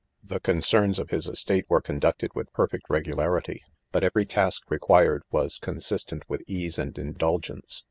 The con cerns of his estate were conducted with pep feet regularity; but, every task required was consistent with ease and indulgence.